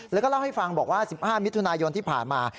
แล้วก็เล่าให้ฟังบอกว่า๑๕มิถุนายนที่ผ่านมา